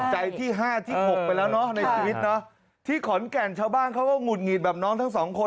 ใจที่ห้าที่ไปแล้วน้ะนะที่ขอนแก่นชาวบ้านเขาก็งุดงิดแบบน้องทั้งสองคน